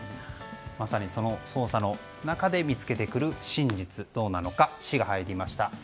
まさにその捜査の中で見つけてくる真実はどうなのか「シ」が入りました。